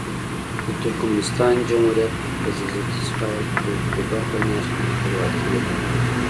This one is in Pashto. د ترکمنستان جمهوریت په زېږدیز کال د اکتوبر په میاشت کې خپلواکي اعلان کړه.